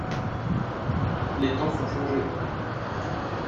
Les temps son changés.